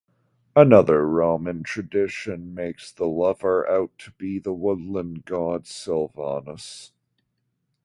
Another Roman tradition makes the lover out to be the woodland god Silvanus.